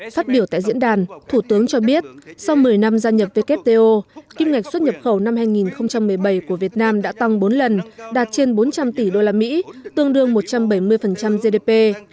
phát biểu tại diễn đàn thủ tướng cho biết sau một mươi năm gia nhập wto kim ngạch xuất nhập khẩu năm hai nghìn một mươi bảy của việt nam đã tăng bốn lần đạt trên bốn trăm linh tỷ usd tương đương một trăm bảy mươi gdp